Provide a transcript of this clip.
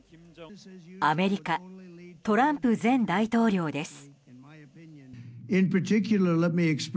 アメリカトランプ前大統領です。